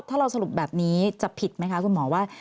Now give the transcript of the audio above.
ถ้าเราสรุปแบบนี้จะผิดไหมคะคุณหมอว่า